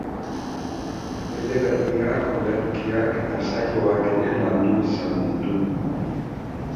Eleberriak, olerkiak eta saioak ere landu izan ditu.